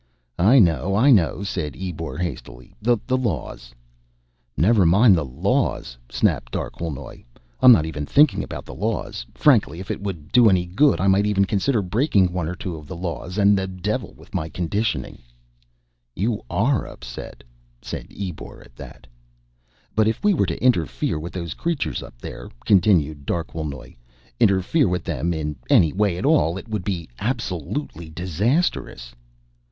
"I know, I know," said Ebor hastily. "The laws " "Never mind the laws," snapped Darquelnoy. "I'm not even thinking about the laws. Frankly, if it would do any good, I might even consider breaking one or two of the laws, and the devil with my conditioning." "You are upset," said Ebor at that. "But if we were to interfere with those creatures up there," continued Darquelnoy, "interfere with them in any way at all, it would be absolutely disastrous."